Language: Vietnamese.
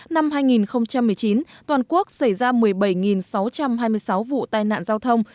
năm hai nghìn một mươi chín toàn quốc xảy ra một mươi bảy sáu trăm hai mươi sáu vụ tai nạn giao thông